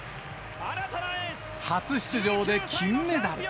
初出場で金メダル。